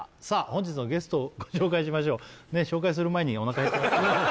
本日のゲストをご紹介しましょうねっ紹介する前におなか減ってます？